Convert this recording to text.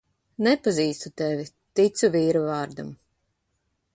Nepazīstu tevi, ticu vīra vārdam.